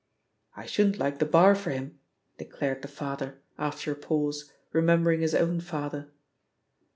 1 shouldn't like the Bar for him," declared the father, after a pause, remembering his own father.